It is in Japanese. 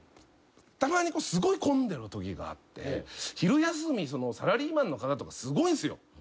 たまにすごい混んでるときがあって昼休みサラリーマンの方とかすごいんですよ。